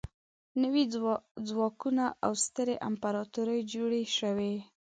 نوي ځواکونه او سترې امپراطورۍ جوړې شوې.